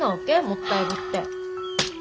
もったいぶって。